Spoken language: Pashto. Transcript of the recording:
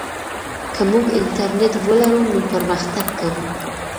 که موږ انټرنیټ ولرو نو پرمختګ کوو.